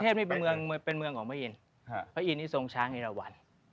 พระอินทร์นี่เป็นเมืองของพระอินทร์พระอินทร์ที่ทรงชาฮิรวรรณ